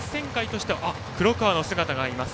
黒川の姿があります。